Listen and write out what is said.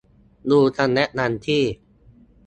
ดูคำแนะนำที่